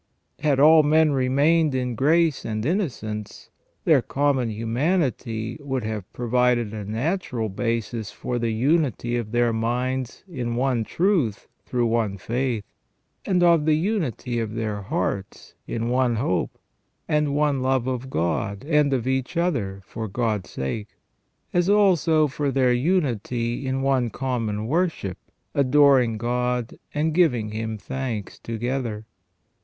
Had all men remained in THE REGENERATION OF MAN. 343 grace and innocence, their common humanity would have pro vided a natural basis for the unity of their minds in one truth through one faith ; and of the unity of their hearts in one hope, and one love of God, and of each other, for God's sake ; as also for their unity in one common worship, adoring God, and giving Him thanks together.